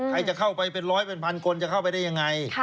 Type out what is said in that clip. ใครจะเข้าไปเป็นร้อยเป็นพันคนจะเข้าไปได้ยังไง